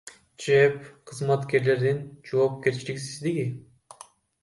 ЖЭБ кызматкерлеринин жоопкерчиликсиздиги.